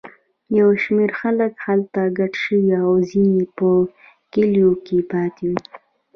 یو شمېر خلک هلته کډه شوي او ځینې په کلیو کې پاتې وو.